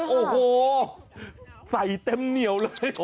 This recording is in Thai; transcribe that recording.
โอ้โหใส่เต็มเหนียวเลย